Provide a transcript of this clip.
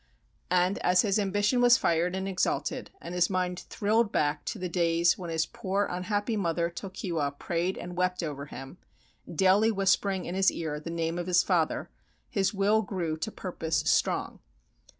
And as his ambition was fired and exalted and his mind thrilled back to the days when his poor unhappy mother Tokiwa prayed and wept over him, daily whispering in his ear the name of his father, his will grew to purpose strong.